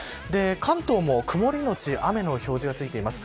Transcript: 関東も、曇りのち雨の表示がついています。